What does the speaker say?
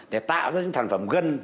để đạt được thực phẩm gân